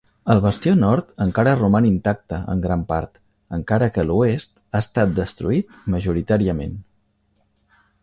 El bastió nord encara roman intacte en gran part, encara que l'oest ha estat destruït majoritàriament.